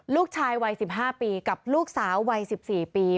ลูกชายวัยสิบห้าปีกับลูกสาววัยสิบสี่ปี